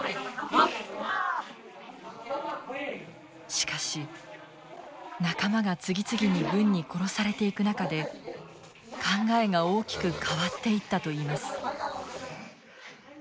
しかし仲間が次々に軍に殺されていく中で考えが大きく変わっていったといいます。